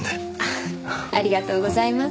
ありがとうございます。